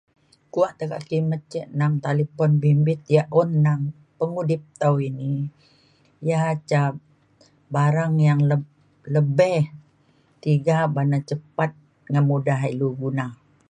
Kua tengen kimet ke telifon bimbit ya' un pengudip tow ini ya ca barang yang lebih tiga ban cepat ngan mudah ilu guna.